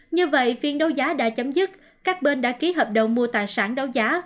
như vậy phiên đấu giá đã chấm dứt các bên đã ký hợp đồng mua tài sản đấu giá